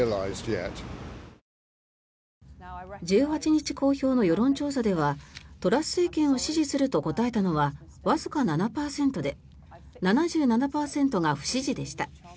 １８日公表の世論調査ではトラス政権を支持すると答えたのはわずか７％で７７％が不支持でした。